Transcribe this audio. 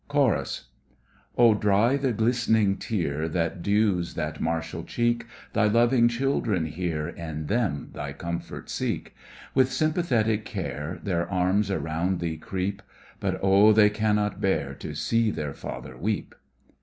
CHORUS Oh, dry the glist'ning tear That dews that martial cheek, Thy loving children hear, In them thy comfort seek. With sympathetic care Their arms around thee creep, For oh, they cannot bear To see their father weep!